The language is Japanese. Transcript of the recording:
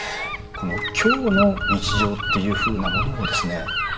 今日の日常っていうふうなものをですね